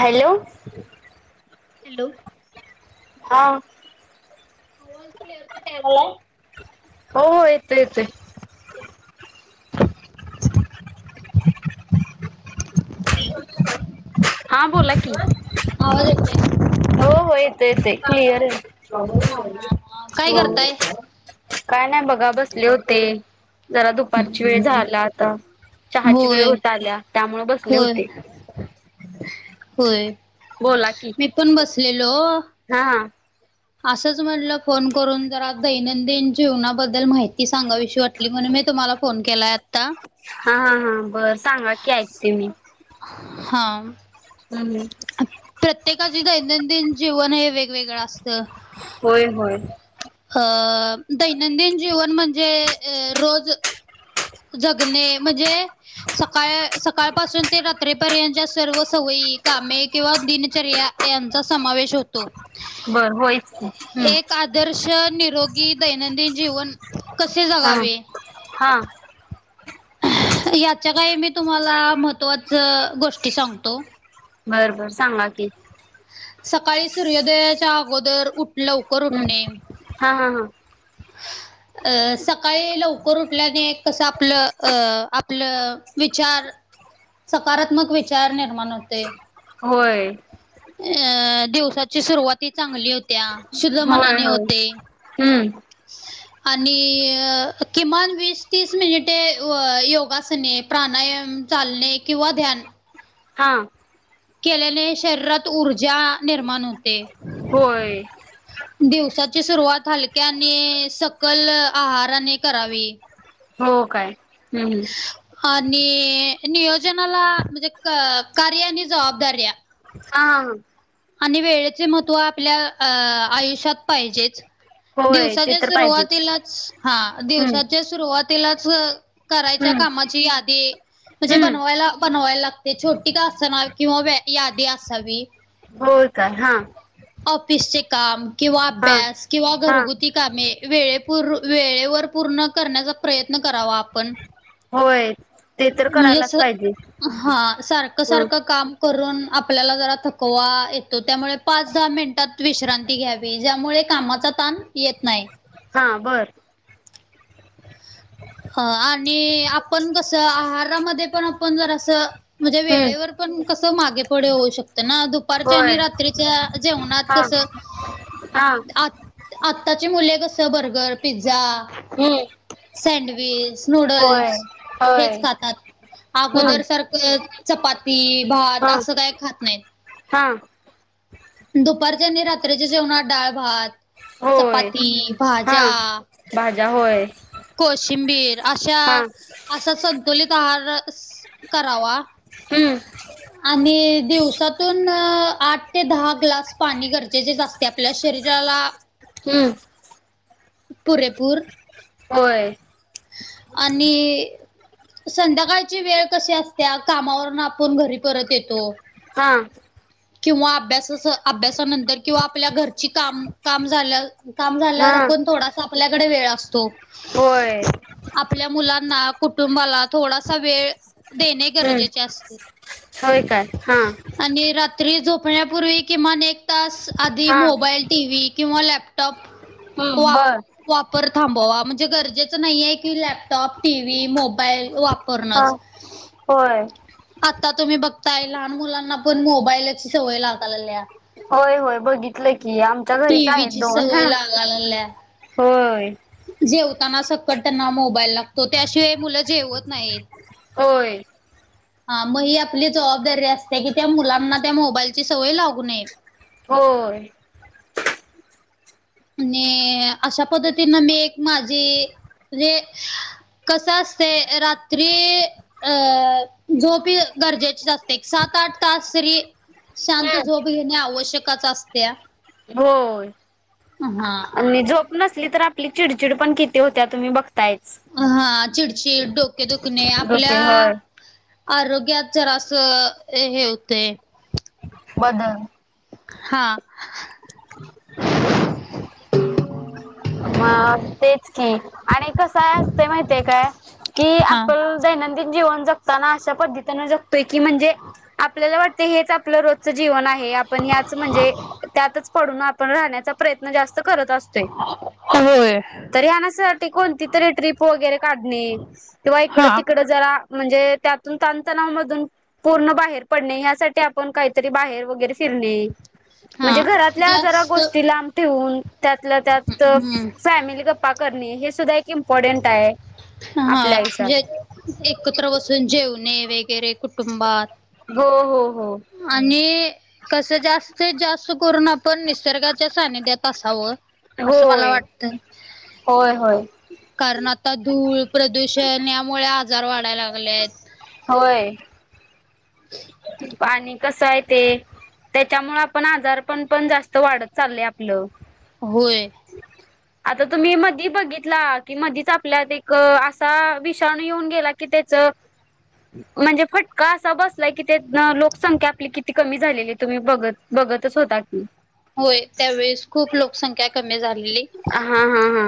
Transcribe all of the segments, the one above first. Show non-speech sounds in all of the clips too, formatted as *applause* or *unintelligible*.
Hello! Hello! हा *unintelligible* हो हो येतोय येतोय *unintelligible* हा बोला कि, आवाज येतोय. हो हो येतोय येतोय क्लिअर हा येतोय हा काय करताय? काय नाय बघा बसले होते जरा दुपारची वेळ झाला आता, चहाची वेळ होय होत आल्या त्यामुळे बसले होय होते होय? बोला की मी पण बसलेलो हा असंच म्हटलं फोन करून जरा दैनंदिन जीवनाबद्दल माहिती सांगावीशी गाशी वाटली म्हणून मी तुम्हाला फोन केलाय आता हा हा बर सांगा की ऐकते हा हम प्रत्येकाचे दैनंदिन जीवन हे वेगवेगळं असतं होय, होय अ दैनंदिन जीवन म्हणजे रोज जगणे म्हणजे सकाळ सकाळपासून ते रात्रीपर्यंतच्या सर्व सवयी कामे किंवा दिनचर्या यांचा समावेश होतो बरं होयच की, हम्म एक आदर्श, निरोगी, दैनंदिन जीवन कसे हा. जगावे? हा याच्या काही मी तुम्हाला महत्त्वाचं गोष्टी सांगतो बरं बरं, सांगा की सकाळी सूर्योदयाच्या अगोदर उठ लवकर हम्म उठणे हा हा हा. ह *inaudible* अ सकाळी लवकर उठल्याने कसं आपलं अ आपलं विचार सकारात्मक विचार निर्माण होतय. होय. अ दिवसाची सुरुवात ही चांगली होत्या शुद्ध होय मनाने होय होते. हम्म *inaudible* आणि किमान अ वीस तीस मिनिटे व योगासने प्राणायाम, चालणे किंवा ध्यान हा केल्याने शरीरात ऊर्जा निर्माण होते. होय. दिवसाची सुरुवात हलक्याने सकल आहाराने करावी. हो काय हूं हम्म आणि नियोजनाला म्हणजे क कार्य आणि जबाबदाऱ्या आ आणि वेळेचे महत्त्व आपल्या अ आयुष्यात पाहिजेच. होय ते दिवसाच्या तर पाहिजेच सुरुवातीलाच हा हम्म दिवसाच्या सुरुवातीलाच करायच्या हम्म कामाची यादी म्हणजे हम्म बनवायला बनवायला लागते छोटी का असना किंवा व्य यादी असावी. होय का हा ऑफिसचे काम किंवा हा अभ्यास किंवा हा घरगुती कामे वेळेपूर वेळेवर पूर्ण करण्याचा प्रयत्न करावा आपण होय. ते तर म्हणजे करायलाच पाहिजे असं हा सारखं ह सारखं काम करून आपल्याला जरा थकवा येतो त्यामुळे पाच दहा मिनिटात विश्रां ती घ्यावी ज्यामुळे कामाचा ताण येत नाय. हा बरं ह आणि आपण कसं आहारामध्ये पण आपण जरासं मजे हम्म वेळेवर पण कसं मागे पुढे होऊ शकतं ना दुपारच्या होय आणि रात्रीच्या जेवणात हा कसं *inaudible* हा आ आत्ताची मुले कसं बर्गर, पिझ्झा, हम्म सँडवि ल्स होय नूडल्स होय हेच खातात. हम्म अगोदर सारखं चपाती भात हा असं काय खात नाहीत. हा दुपारच्यानी रात्रीच्या जेवणात डाळ भात होय चपाती हा भाज्या भाज्या होय. कोशिंबीर अशा हा असा संतुलित आहार सं करावा. हम्म आणि दिवसातून आठ ते दहा ग्लास पाणी गरजेचेच अस ते आपल्या शरीराला हम्म पुरेपूर होय. आणि संध्याकाळची वेळ कशी असत्या कामावरून आपण घरी परत येतो. हा. किंवा अभ्यासाच अभ्यासानंतर किंवा आपल्या घरची काम काम झाल्या काम हा झाल्यावर आपण थोडासा आपल्याकडे वेळ असतो. होय. आपल्या मुलांना, कुटुंबाला थोडासा वेळ देणे हम्म गरजेचे असते. होय काय हा आणि रात्री झोपण्यापूर्वी किमान एक तास आधी हा मोबाईल, टीव्ही किंवा लॅप टॉप हम्म वाप बर वापर थांबवा. म्हणजे गरजेचं नाही आहे की, लॅप टॉप, टीव्ही, मोबाईल हा वापरनच. होय. आता तुम्ही बघताय. लहान मुलांना पण मोबाईलची सवय लागायल्या. होय होय बघितलं. की आमच्या घरीच आहेत टीव्हीची दोन. ह सवय लागायल्या. होय. जेवताना सकट त्यांना मोबाईल लागतो. त्याशिवाय मुलं जेवत नाहीत. होय. हा मग ही आपली जबाबदारी असते की त्या मुलांना त्या मोबाईलची सवय लागू नये. होय. आणि अशा पद्धतीन मी एक माझी म्हणजे, कसं असतय. रात्री अ झोप ही गरजेची असते. सात-आठ तास री शांत हम्म झोप घेणे आवश्यकच असत्या. होय आणि झोप नसली तर, आपली चिडचिड पण किती होत्या. तुम्ही बघताय. हा चिडचिड, डोके दुखणे आपल्या होय आरोग्यात जरास अ हे होते. बदल हा. मग तेच की आणि कसं आहे. असतय माहित आहे काय कि हां. आपण दैनंदिन जीवन जगताना अशा पद्धतीन जगतोय की म्हणजे, आपल्याला वाटत हेच आपलं रोजचं जीवन आहे. हे. आपण ह्याच म्हणजे त्यातच पडून आपण राहण्याचा प्रयत्न जास्त करत असतोय. ते होय. तरीही असं टिकून कुठलीतरी ट्रिप वगैरे काढणे. किंवा इकड हां. तिकड जरा म्हणजे त्यातून ताण तणाव मधून पूर्ण बाहेर पडणे. यासाठी आपण काहीतरी बाहेर वगैरे फिरणे. हां, म्हणजे घरातल्या जरा जास्त गोष्टी लांब ठेवून त्यातल्या त्यात हं, फॅमिली ग पा करणे. हे सुद्धा एक इम्पॉर्टंट आहे. हा आपल्या जे आयुष्यात एकत्र बसून जेवणे वगैरे कुटुंबात. हो हो हो. आणि कसं जास्तीत जास्त करून आप ण निसर्गाच्या सानिध्यात असावं असं मला होय वाटत. होय होय. कारण आता धूळ, प्रदूषण यामुळे आजार वाढायला लागले आहेत. होय. पाणी कसं आहे ते. त्याच्यामुळं पण आजारपण पण... जास्त वाढत चाललय आपलं. होय. आता तुम्ही मधी बघितला... की मधीच आपल्यात एक... असा विषाणू येऊन गेला की त्याचं *inaudible* म्हणजे... फटका असा बस लाय की तेथनं लोकसंख्या आपली किती कमी झालेली ए... तुम्ही बघत... बघतच होता की होय... त्यावेळेस खूप लोकसंख्या कमी झा हा हा हा.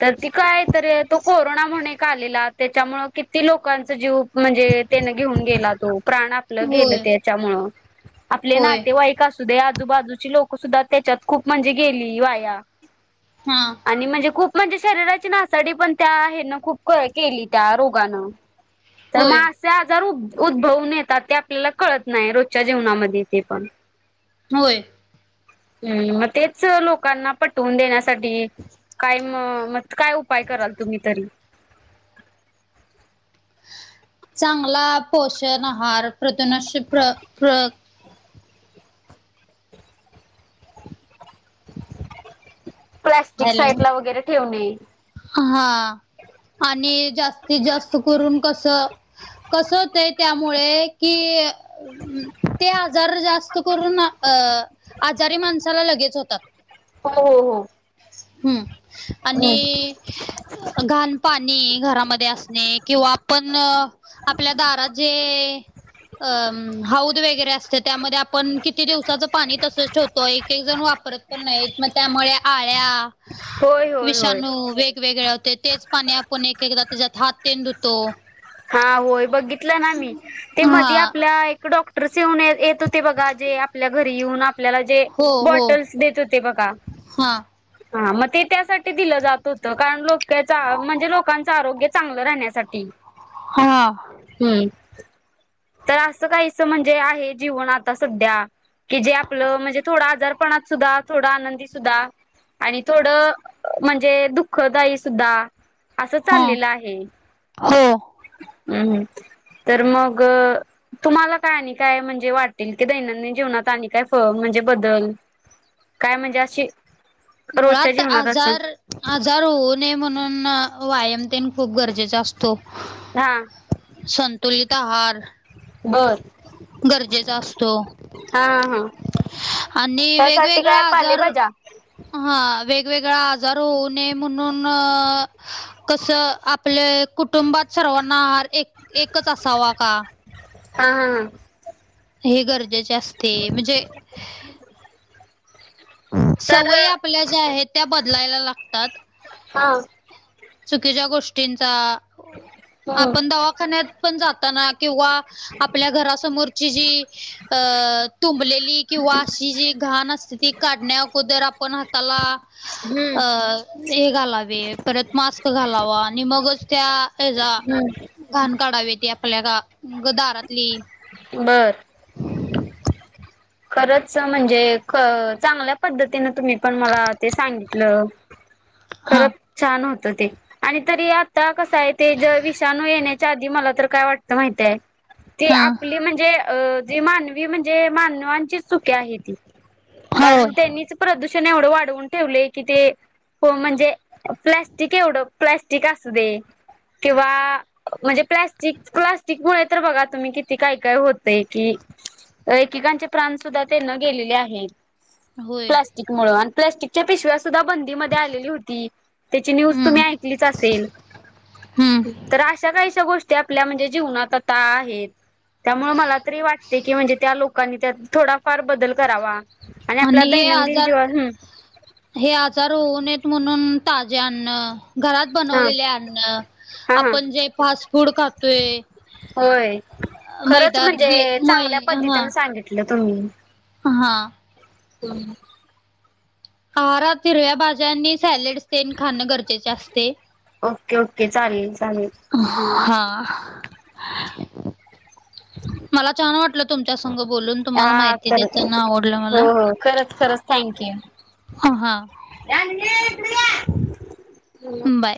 तर ती काय... त... तो कोरोना म्हणून एक आलेला... त्याच्यामुळं किती लोकांचा जीव म्हणजे त्यानं घेऊन गेला तो... प्राण आपलं गेलं होय. त्याच्यामुळं... आपले होय. नातेवाईक का असू दे... आजूबाजूची लोकं सुद्धा त्याच्यात खूप म्हणजे गेली... वाया हा. आणि म्हणजे खूप म्हणजे... शरीराची नासाडी पण... त्या हेनं... खूप केली... त्या रोगानं तर होय. मग असे आजार उद... उद्भवून येतात... ते आपल्याला कळत नाई... रोजच्या जेवणामध्ये ते पण होय. हम्म... मग तेच लोकांना पटवून देण्यासाठी... काय म... म काय उपाय कराल तुम्ही तरी चांगला... पोषण आहार... प्रदुनाशी... प्र... प्र प्लॅस्टिक साईटला वगैरे ठेवणे. हा... आणि जास्तीत जास्त करून कसं कसं... होतंय... त्यामुळे कि... ते आजार जास्त करून... अं आजारी माणसाला लगेच होतात. हो हो हो. हम्म... हम्म. आणि घाण पाणी... घरामध्ये असणे... किंवा आपण आपल्या दारात जे अं... हौद वगैरे असते... त्यामध्ये आपण किती दिवसाचं पाणी तसंच ठेवतो... एक एक जण वापरत पुन्हा एक मग... त्यामुळे आळ्या.... होय होय होय विषाणू वेगवेगळ्या होत्या... तेच पाणी आपण एक एकदा... त्याच्यात हात तेन धुतो हा... होय... बघितलं ना मी... ते मध्ये हा आपल्या एक... डॉक *unintelligible* येत होते बघा... जे आपल्या घरी येऊन आप आपल्याला जे... हो हो बॉटल्स देत होते बघा. हा हा... मग ते त्यासाठी दिलं जात होतं... कारण लोक त्याचा... म्हणजे लोकांचं आरोग्य चांगलं राहण्यासाठी हा. हम्म. तर असं काहीसं... म्हणजे आहे... जीवन आता सध्या की जे आपलं... म्हणजे थोडं आजारपणात सुद्धा... थोडं आनंदी सुद्धा आणि थोडं... म्हणजे दुःखदायी सुद्धा... असं हा चाललेलं आहे हो. हम्म... तर मग तुम्हाला काय... आणि काय म्हणजे वाटेल... की दैनंदिन जीवनात आणि काय... फ... म्हणजे बदल? काय म्हणजे अशी... रोजच्या मुळात जीवनात असं आजार आजार होऊ नये म्हणून... मग.... व्यायाम तेन खूप गरजेचा असतो. हा. संतुलित आहार बर गरजेचा असतो. हा हा हा आणि त्यासाठी वेगवेगळा काय आजार पालेभाज्या हा वेगवेगळा आजार होऊ नये म्हणून, अ कस आपले कुटुंबात सर्वांना आहार एक एकच असावा का? हा हा हा. हे गरजेचे असते म्हणजे, तर सवयी आपल्या ज्या आहेत. त्या बदलायला लागतात. हा. चुकीच्या गोष्टींचा हम्म आपण दवाखान्यात पण जाताना किंवा आपल्या घरासमोरची जी, अ तुंबलेली किंवा अशी जी घाण असते. ती काढण्या अगोदर आपण हाताला अ हम्म हे घालावे. परत मास्क घालावा आणि मगच त्या हेचा हम्म घाण काढावी ती आपल्या ग दारातली. बरं. खरंच म्हणजे ख चांगल्या पद्धतीने तुम्ही पण मला ते सांगितलं. *inaudible* खरंच छान होतं ते. आणि तरी आता कसं आहे. ते ज विषाणू येण्याच्या आधी मला तर काय वाटतं माहीती आहे. ती हा आपली म्हणजे अ जी मानवी म्हणजे मानवांची चुकी आहे. कारण होय. त्यांनीच प्रदूषण एवढं वाढवून ठेवले की ते, हो, म्हणजे प्लॅस्टिक एवढं प्लॅस्टिक असू दे किंवा म्हणजे प्लास्टिक प्लास्टिक मुळे तर बघा तुम्ही किती काय काय होतय कि एकीकांचे प्राण सुद्धा त्यांन गेलेले आहेत. होय प्लास्टिक मुळ आणि प्लास्टिकच्या पिशव्या सुद्धा बंद की मध्ये आलेली होती. त्याची न्यूज हम्म. तुम्ही ऐकलीच असेल. हम्म तर अशा काहीशा गोष्टी आपल्या म्हणजे जीवनात आता आहेत. त्यामुळे मला तरी वाटते की म्हणजे त्या लोकांनी त्यात थोडाफार बदल करावा. आणि आपल्या हे दैनंदिन आजार जीवन हम. हे आजार होऊ नयेत म्हणून, ताजे अन्न घरात हा बनवलेले अन्न, हा हा आपण जे फास्ट फूड खातोय. होय. खरंच मैदा ते मै हा म्हटलं तुम्ही, हा. हम्. आहारात हिरव्या भाज्यांनी, सॅलेड्स तेन खाणं गरजेचे असते. ओके ओके चालेल चालेल. हा. ह *unintelligible* मला छान वाटलं. तुमच्या संघ बोलून. तुम्हाला हा माहिती खरच. देताना आवडलं हो मला. हो खरंच खरंच थँक यू. हा जान्हवी इकडे ये. बाय.